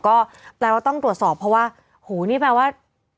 ก็แปลว่าต้องตรวจสอบเพราะว่าโหนี่แปลว่า